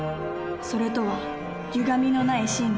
「それ」とはゆがみのない真理。